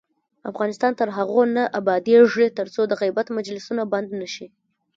افغانستان تر هغو نه ابادیږي، ترڅو د غیبت مجلسونه بند نشي.